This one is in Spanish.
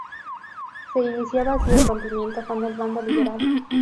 Se iniciaba así el rompimiento con el bando liberal.